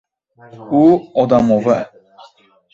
U odamovi!